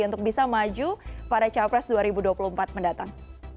untuk bisa maju pada capres dua ribu dua puluh empat mendatang